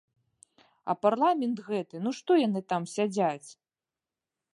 А парламент гэты, ну што яны там сядзяць?